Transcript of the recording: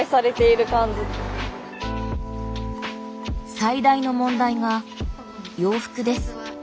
最大の問題が洋服です。